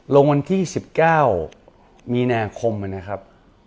ลงวันที่๑๙มีนาคมนะครับ